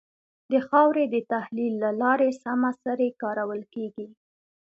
د خاورې د تحلیل له لارې سمه سري کارول کېږي.